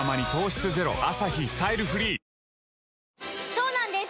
そうなんです